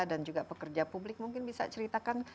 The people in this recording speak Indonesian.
dan juga pekerja publik mungkin bisa ceritakan